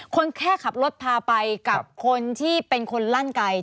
คนแค่ขับรถพาไปกับคนที่เป็นคนลั่นไก่